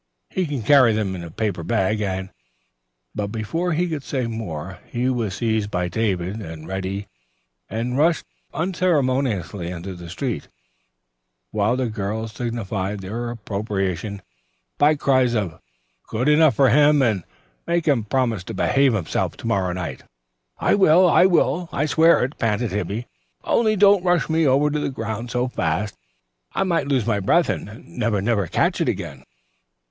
He can carry them in a paper bag and " But before he could say more he was seized by David and Reddy and rushed unceremoniously into the street, while the girls signified their approbation by cries of "good enough for him" and "make him promise to behave to morrow night." "I will. I swear it," panted Hippy. "Only don't rush me over the ground so fast. I might lose my breath and never, never catch it again."